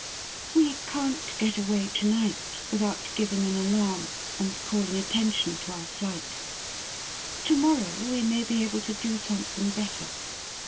' We can't get away to night with out giving an alarm, and calling attention to our flight. To morrow we may be able to do something better.